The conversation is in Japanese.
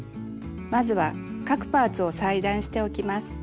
まずは各パーツを裁断しておきます。